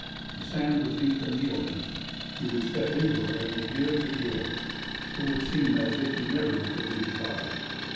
The sand was deep and yielding. You would step into it and it would give and give. It would seem as if you never could reach bottom.